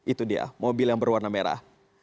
itu dia mobil yang berwarna merah